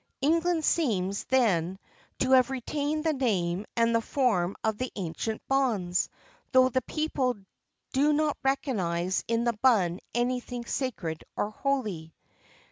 [XXIV 37] England seems, then, to have retained the name and the form of the ancient bons, though the people do not recognise in the bun anything sacred or holy.